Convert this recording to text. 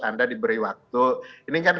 anda diberi waktu ini kan